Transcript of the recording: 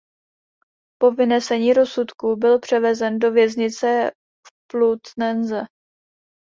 Po vynesení rozsudku byl převezen do věznice v Plötzensee.